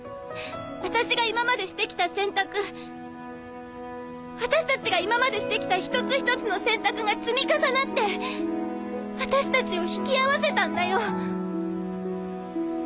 私が今までして来た選択私たちが今までして来た一つ一つの選択が積み重なって私たちを引き合わせたんだよ。